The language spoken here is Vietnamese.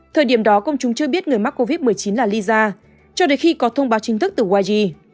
thời điểm đó công chúng chưa biết người mắc covid một mươi chín là lisa cho đến khi có thông báo chính thức từ waji